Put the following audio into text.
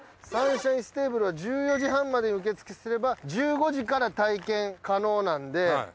サンシャインステーブルは１４時半までに受付すれば１５時から体験可能なんで。